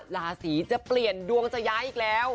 ราศีจะเปลี่ยนดวงจะย้ายอีกแล้ว